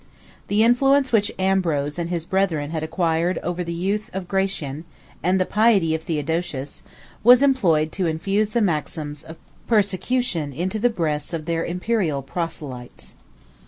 The influence which Ambrose and his brethren had acquired over the youth of Gratian, and the piety of Theodosius, was employed to infuse the maxims of persecution into the breasts of their Imperial proselytes.